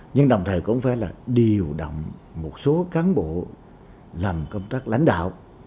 nhưng đồng thời cũng phải là điều động một số cán bộ làm công tác lãnh đạo